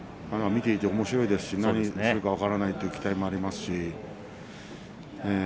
見ていておもしろいですしをするか分からないという期待もあります。